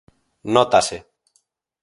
Nótase.